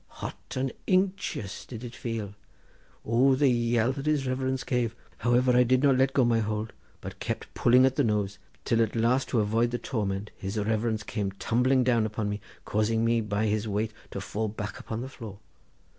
Hot and inctious did it feel. O, the yell that his reverence gave! However, I did not let go my hold, but kept pulling at the nose, till at last to avoid the torment his reverence came tumbling down upon me, causing me by his weight to fall back upon the floor.